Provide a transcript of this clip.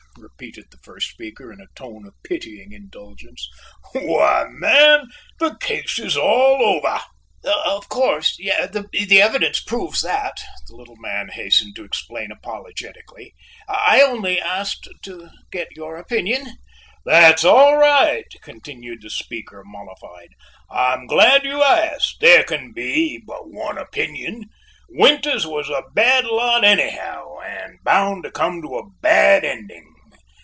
repeated the first speaker, in a tone of pitying indulgence; "why, man, the case is all over." "Of course, the evidence proves that," the little man hastened to explain apologetically, "I only asked to get your opinion." "That's all right," continued the speaker, mollified; "I am glad you asked. There can be but one opinion. Winters was a bad lot anyhow and bound to come to a bad ending."